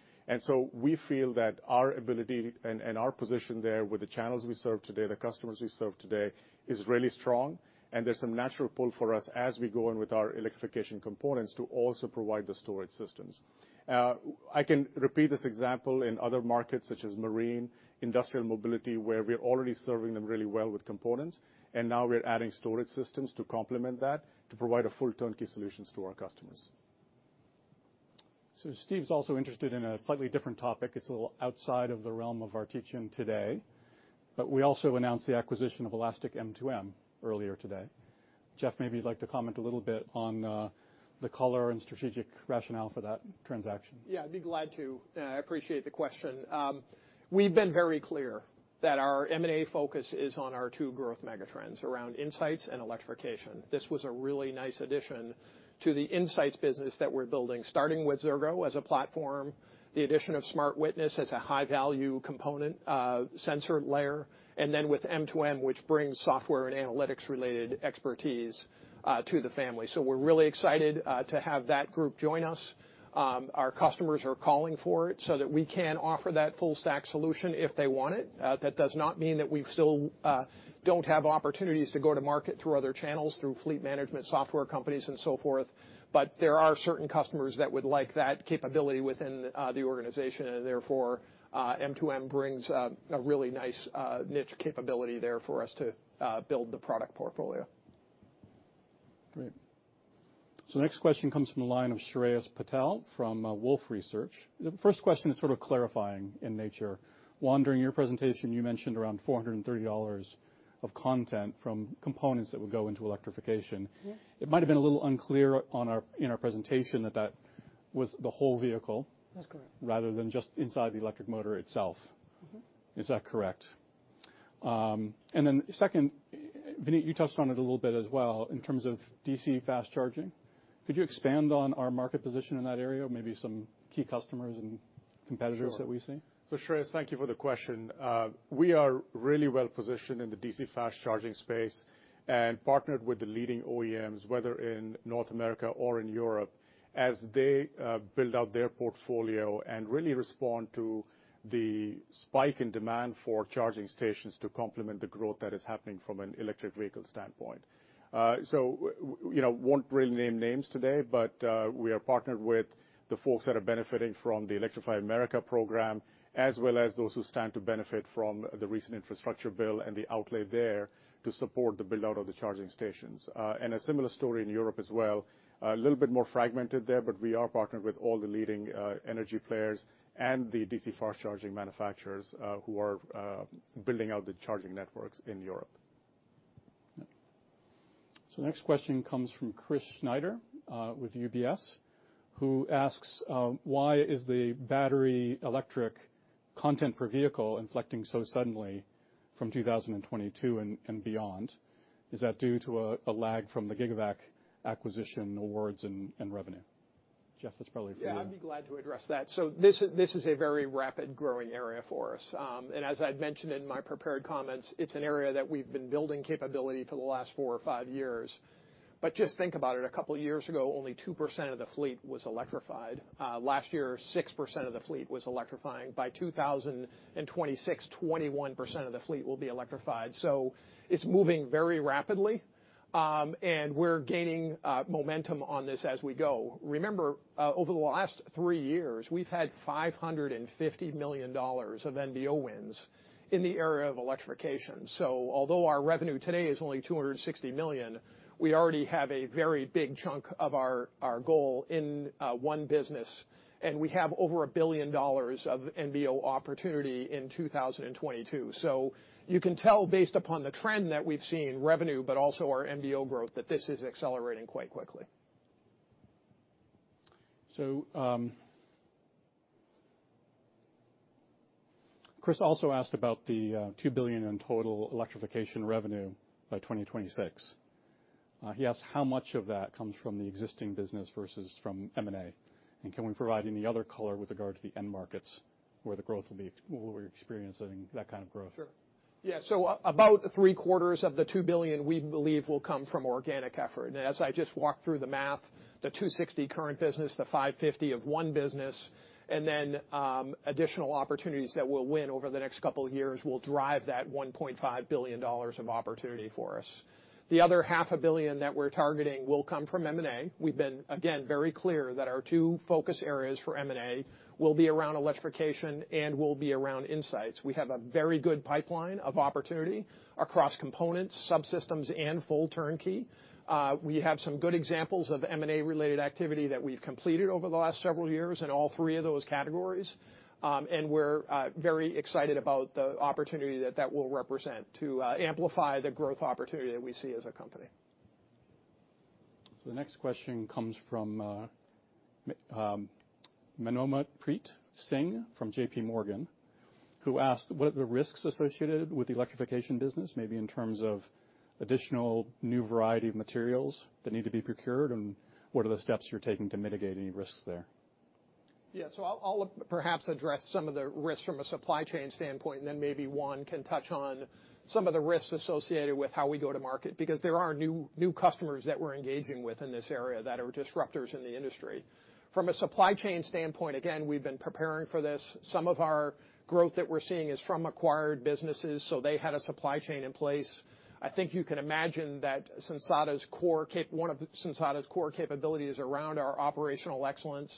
We feel that our ability and our position there with the channels we serve today, the customers we serve today is really strong, and there's some natural pull for us as we go in with our electrification components to also provide the storage systems. I can repeat this example in other markets such as marine, industrial mobility, where we're already serving them really well with components, and now we're adding storage systems to complement that to provide a full turnkey solutions to our customers. Steve's also interested in a slightly different topic. It's a little outside of the realm of our teaching today, but we also announced the acquisition of Elastic M2M earlier today. Jeff, maybe you'd like to comment a little bit on the color and strategic rationale for that transaction. Yeah, I'd be glad to. I appreciate the question. We've been very clear that our M&A focus is on our two growth mega trends around insights and electrification. This was a really nice addition to the insights business that we're building, starting with Xirgo as a platform, the addition of SmartWitness as a high-value component, sensor layer, and then with Elastic M2M, which brings software and analytics-related expertise, to the family. We're really excited to have that group join us. Our customers are calling for it so that we can offer that full stack solution if they want it. That does not mean that we still don't have opportunities to go to market through other channels, through fleet management software companies and so forth. There are certain customers that would like that capability within the organization, and therefore, Elastic M2M brings a really nice niche capability there for us to build the product portfolio. Great. Next question comes from the line of Shreyas Patil from Wolfe Research. The first question is sort of clarifying in nature. Juan, during your presentation, you mentioned around $430 of content from components that would go into electrification. Yes. It might have been a little unclear in our presentation that that was the whole vehicle. That's correct. Rather than just inside the electric motor itself. Mm-hmm. Is that correct? Second, Vineet, you touched on it a little bit as well in terms of DC fast charging. Could you expand on our market position in that area, maybe some key customers and competitors that we see? Sure. Shreyas, thank you for the question. We are really well-positioned in the DC fast charging space and partnered with the leading OEMs, whether in North America or in Europe, as they build out their portfolio and really respond to the spike in demand for charging stations to complement the growth that is happening from an electric vehicle standpoint. We, you know, won't really name names today, but we are partnered with the folks that are benefiting from the Electrify America program, as well as those who stand to benefit from the recent infrastructure bill and the outlay there to support the build-out of the charging stations. A similar story in Europe as well. A little bit more fragmented there, but we are partnered with all the leading energy players and the DC fast charging manufacturers who are building out the charging networks in Europe. Next question comes from Chris Snyder with UBS, who asks, why is the battery electric content per vehicle inflecting so suddenly from 2022 and beyond? Is that due to a lag from the GIGAVAC acquisition awards and revenue? Jeff, that's probably for you. Yeah, I'd be glad to address that. This is a very rapid growing area for us. And as I'd mentioned in my prepared comments, it's an area that we've been building capability for the last four or five years. Just think about it. A couple of years ago, only 2% of the fleet was electrified. Last year, 6% of the fleet was electrifying. By 2026, 21% of the fleet will be electrified. It's moving very rapidly, and we're gaining momentum on this as we go. Remember, over the last three years, we've had $550 million of NBO wins in the area of electrification. Although our revenue today is only $260 million, we already have a very big chunk of our goal in one business, and we have over $1 billion of NBO opportunity in 2022. You can tell based upon the trend that we've seen in revenue, but also our NBO growth, that this is accelerating quite quickly. Chris also asked about the $2 billion in total electrification revenue by 2026. He asked how much of that comes from the existing business versus from M&A. Can we provide any other color with regard to the end markets where we're experiencing that kind of growth? About three quarters of the $2 billion we believe will come from organic effort. Now as I just walked through the math, the $ 260 million current business, the $550 million of one business, and then additional opportunities that we'll win over the next couple years will drive that $1.5 billion of opportunity for us. The other half a billion that we're targeting will come from M&A. We've been, again, very clear that our two focus areas for M&A will be around electrification and will be around insights. We have a very good pipeline of opportunity across components, subsystems, and full turnkey. We have some good examples of M&A-related activity that we've completed over the last several years in all three of those categories. We're very excited about the opportunity that will represent to amplify the growth opportunity that we see as a company. The next question comes from Manmohanpreet Singh from JPMorgan, who asked what are the risks associated with the electrification business, maybe in terms of additional new variety of materials that need to be procured, and what are the steps you're taking to mitigate any risks there? Yeah. I'll perhaps address some of the risks from a supply chain standpoint, and then maybe Juan can touch on some of the risks associated with how we go to market, because there are new customers that we're engaging with in this area that are disruptors in the industry. From a supply chain standpoint, again, we've been preparing for this. Some of our growth that we're seeing is from acquired businesses, so they had a supply chain in place. I think you can imagine that one of Sensata's core capabilities around our operational excellence,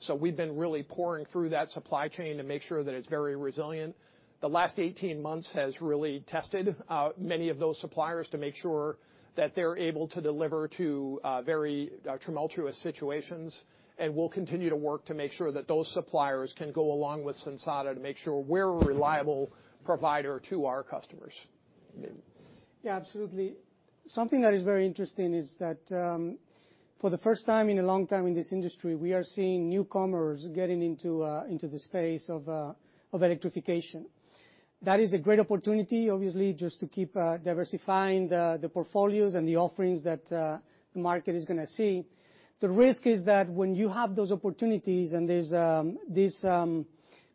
so we've been really poring through that supply chain to make sure that it's very resilient. The last 18 months has really tested many of those suppliers to make sure that they're able to deliver to very tumultuous situations. We'll continue to work to make sure that those suppliers can go along with Sensata to make sure we're a reliable provider to our customers. Juan. Yeah, absolutely. Something that is very interesting is that, for the first time in a long time in this industry, we are seeing newcomers getting into the space of electrification. That is a great opportunity, obviously, just to keep diversifying the portfolios and the offerings that the market is gonna see. The risk is that when you have those opportunities and there's these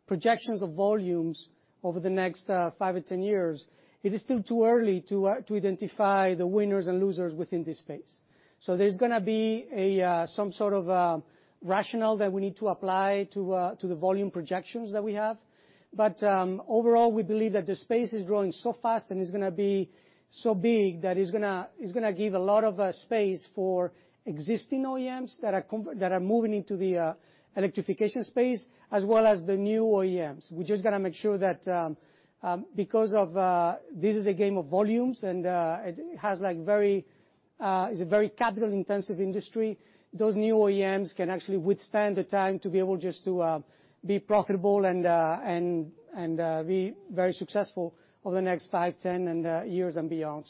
projections of volumes over the next five or 10 years, it is still too early to identify the winners and losers within this space. There's gonna be some sort of rationale that we need to apply to the volume projections that we have. Overall, we believe that the space is growing so fast and is gonna be so big that it's gonna give a lot of space for existing OEMs that are moving into the electrification space as well as the new OEMs. We just gotta make sure that because this is a game of volumes and, like, it's a very capital-intensive industry, those new OEMs can actually withstand the time to be able just to be profitable and be very successful over the next five, 10 and years and beyond.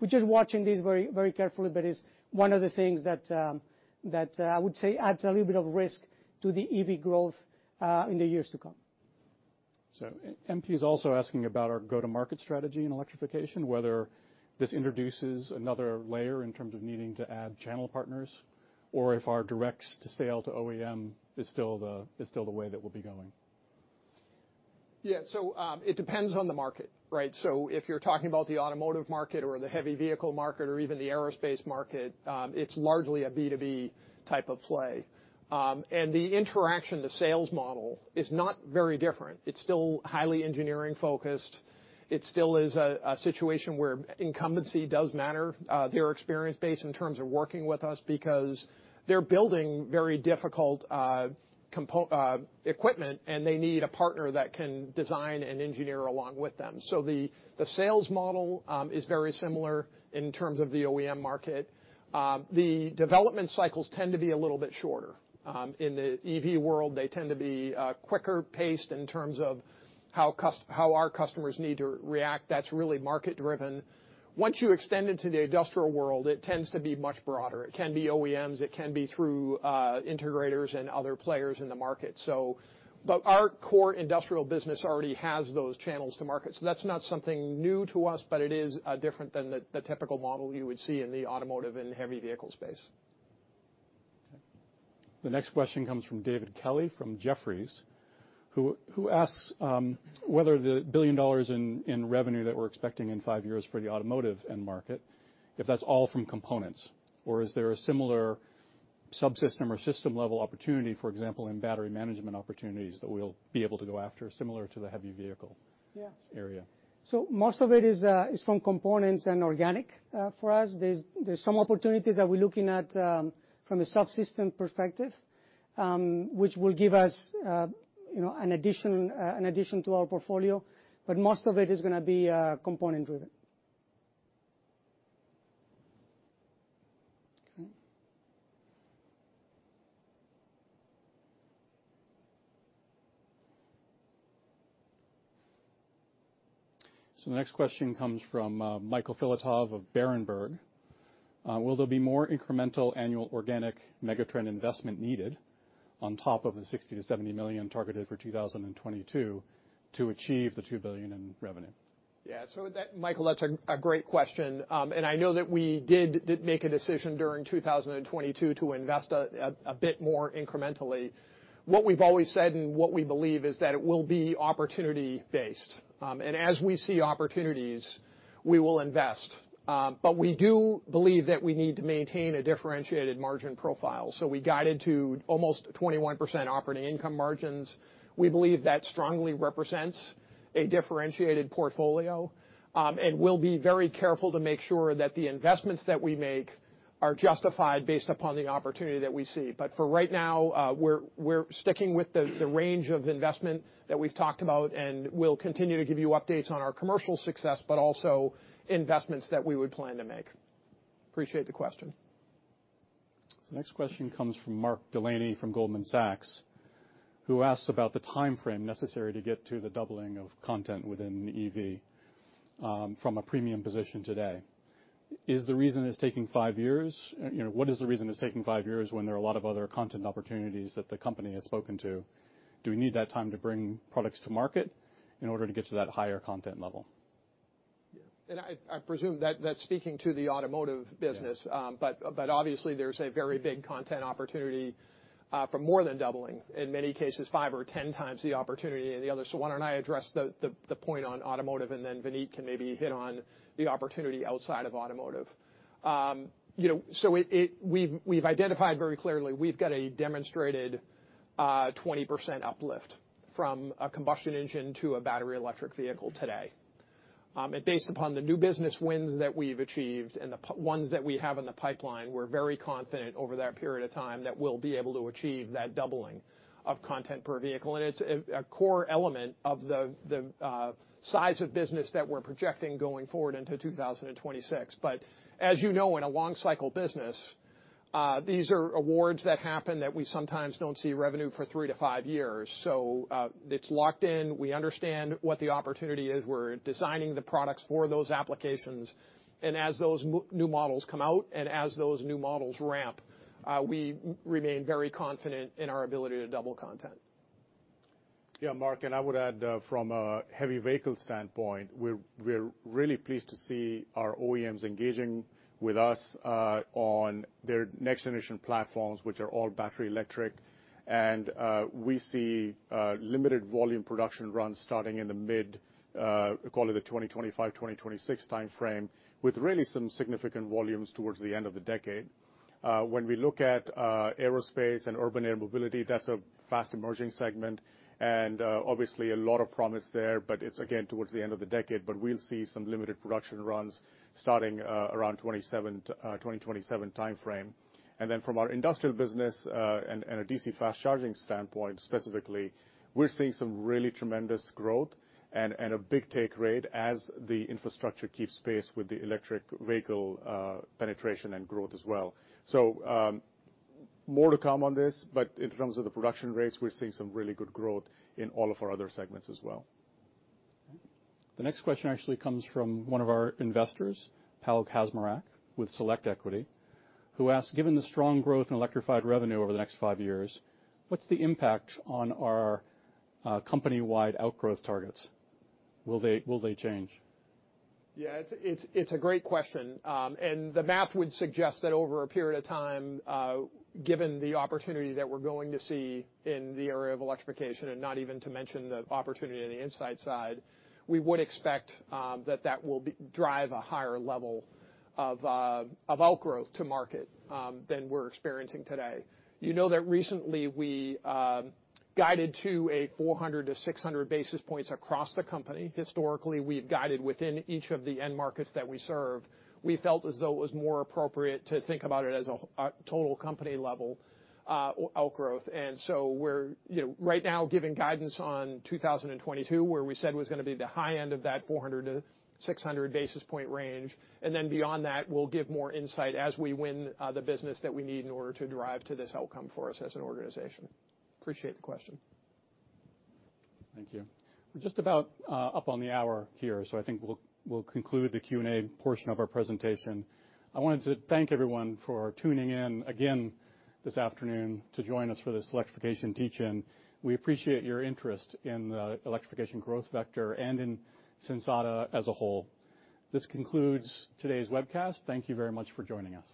We're just watching this very, very carefully, but it's one of the things that I would say adds a little bit of risk to the EV growth in the years to come. MP is also asking about our go-to-market strategy in electrification, whether this introduces another layer in terms of needing to add channel partners or if our direct sale to OEM is still the way that we'll be going. Yeah. It depends on the market, right? If you're talking about the automotive market or the heavy vehicle market or even the aerospace market, it's largely a B2B type of play. The interaction, the sales model is not very different. It's still highly engineering-focused. It still is a situation where incumbency does matter, their experience base in terms of working with us because they're building very difficult equipment, and they need a partner that can design and engineer along with them. The sales model is very similar in terms of the OEM market. The development cycles tend to be a little bit shorter. In the EV world, they tend to be quicker paced in terms of how our customers need to react. That's really market-driven. Once you extend into the industrial world, it tends to be much broader. It can be OEMs. It can be through integrators and other players in the market. But our core industrial business already has those channels to market, so that's not something new to us, but it is different than the typical model you would see in the automotive and heavy vehicle space. Okay. The next question comes from David Kelley from Jefferies, who asks whether the $1 billion in revenue that we're expecting in five years for the automotive end market, if that's all from components, or is there a similar subsystem or system-level opportunity, for example, in battery management opportunities that we'll be able to go after similar to the heavy vehicle- Yeah area. Most of it is from components and organic for us. There's some opportunities that we're looking at from a subsystem perspective, which will give us you know an addition to our portfolio, but most of it is gonna be component-driven. Okay. The next question comes from Michael Filatov of Berenberg. Will there be more incremental annual organic megatrend investment needed? On top of the $60 million-$70 million targeted for 2022 to achieve the $2 billion in revenue. Yeah, Michael, that's a great question. I know that we did make a decision during 2022 to invest a bit more incrementally. What we've always said and what we believe is that it will be opportunity-based. As we see opportunities, we will invest. We do believe that we need to maintain a differentiated margin profile, so we guided to almost 21% operating income margins. We believe that strongly represents a differentiated portfolio. We'll be very careful to make sure that the investments that we make are justified based upon the opportunity that we see. For right now, we're sticking with the range of investment that we've talked about, and we'll continue to give you updates on our commercial success, but also investments that we would plan to make. Appreciate the question. Next question comes from Mark Delaney from Goldman Sachs, who asks about the timeframe necessary to get to the doubling of content within EV, from a premium position today. Is the reason it's taking five years? You know, what is the reason it's taking five years when there are a lot of other content opportunities that the company has spoken to? Do we need that time to bring products to market in order to get to that higher content level? Yeah. I presume that's speaking to the automotive business. Yes. Obviously there's a very big content opportunity for more than doubling, in many cases five or 10 times the opportunity in the other. Why don't I address the point on automotive, and then Vineet can maybe hit on the opportunity outside of automotive. We've identified very clearly, we've got a demonstrated 20% uplift from a combustion engine to a battery electric vehicle today. Based upon the new business wins that we've achieved and the prospective ones that we have in the pipeline, we're very confident over that period of time that we'll be able to achieve that doubling of content per vehicle. It's a core element of the size of business that we're projecting going forward into 2026. As you know, in a long cycle business, these are awards that happen that we sometimes don't see revenue for three to five years. It's locked in. We understand what the opportunity is. We're designing the products for those applications. As those new models come out and as those new models ramp, we remain very confident in our ability to double content. Yeah, Mark, I would add from a heavy vehicle standpoint, we're really pleased to see our OEMs engaging with us on their next generation platforms, which are all battery electric. We see limited volume production runs starting in the mid, call it the 2025, 2026 timeframe, with really some significant volumes towards the end of the decade. When we look at aerospace and urban air mobility, that's a fast emerging segment, and obviously a lot of promise there, but it's again towards the end of the decade. We'll see some limited production runs starting around 2027 timeframe. From our industrial business, and a DC fast charging standpoint, specifically, we're seeing some really tremendous growth and a big take rate as the infrastructure keeps pace with the electric vehicle penetration and growth as well. More to come on this, but in terms of the production rates, we're seeing some really good growth in all of our other segments as well. The next question actually comes from one of our investors, Pal Kasmarak with Select Equity, who asks, "Given the strong growth in electrified revenue over the next five years, what's the impact on our company-wide outgrowth targets? Will they change? Yeah, it's a great question. The math would suggest that over a period of time, given the opportunity that we're going to see in the area of electrification and not even to mention the opportunity on the inside side, we would expect that that will drive a higher level of outgrowth to market than we're experiencing today. You know that recently we guided to 400 basis point-600 basis points across the company. Historically, we've guided within each of the end markets that we serve. We felt as though it was more appropriate to think about it as a total company level outgrowth. We're, you know, right now giving guidance on 2022, where we said was gonna be the high end of that 400 basis point-600 basis point range. Beyond that, we'll give more insight as we win the business that we need in order to drive to this outcome for us as an organization. Appreciate the question. Thank you. We're just about up on the hour here, so I think we'll conclude the Q&A portion of our presentation. I wanted to thank everyone for tuning in again this afternoon to join us for this electrification teach-in. We appreciate your interest in the electrification growth vector and in Sensata as a whole. This concludes today's webcast. Thank you very much for joining us.